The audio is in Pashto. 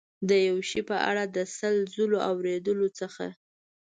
د یو شي په اړه د سل ځلو اورېدلو څخه.